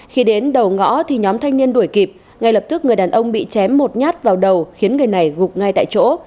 khi đến đầu ngõ thì nhóm thanh niên đuổi kịp ngay lập tức người đàn ông bị chém một nhát vào đầu khiến người này gục ngay tại chỗ